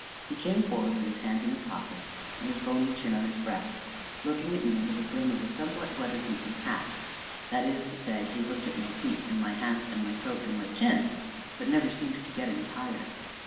He came forward with his hands in his pockets, and his bony chin on his breast, looking at me under the brim of a somewhat weather beaten hat that is to say, he looked at my feet and my hands and my throat and my chin, but never seemed to get any higher.